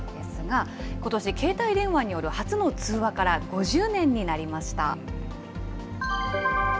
ことし、携帯電話による初の通話から５０年になりました。